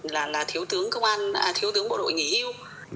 bố thì lại là thiếu tướng bộ đội nghỉ hưu